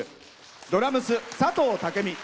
ドラムス、佐藤武美。